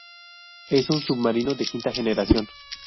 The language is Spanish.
Es un submarino de quinta generación.